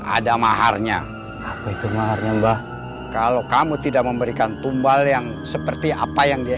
ada maharnya itu maharnya mbah kalau kamu tidak memberikan tumbal yang seperti apa yang dia